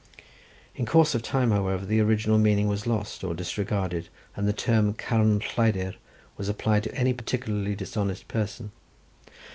In course of time, however, the original meaning was lost or disregarded, and the term carn lleidyr was applied to any particular dishonest person.